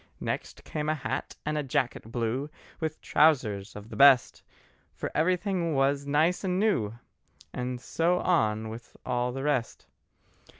Next came a hat and a jacket blue, With trousers of the best, For everything was nice and new, And so on with all the rest.